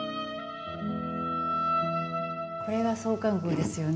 これが創刊号ですよね。